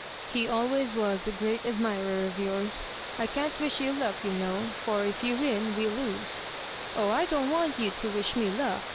" He always was a great admirer of yours, I can't wish you luck, you know, for if you win we lose "" Oh, I don't want you to wish me luck.